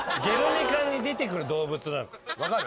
分かる？